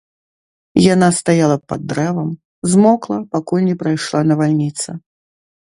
Яна стаяла пад дрэвам, змокла, пакуль не прайшла навальніца.